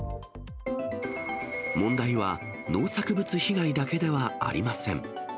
問題は農作物被害だけではありません。